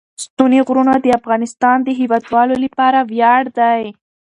ستوني غرونه د افغانستان د هیوادوالو لپاره ویاړ دی.